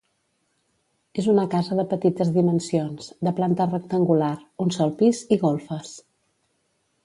És una casa de petites dimensions, de planta rectangular, un sol pis i golfes.